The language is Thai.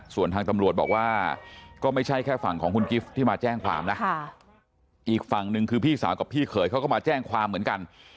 ส่วนทางตำรวจบอกว่าก็ไม่ใช่แค่ฝั่งของคุณกิฟต์ที่มาแจ้งความนะอีกฝั่งหนึ่งคือพี่สาวกับพี่เขยเขาก็มาแจ้งความเหมือนกัน